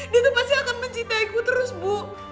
tetap mencintaiku terus bu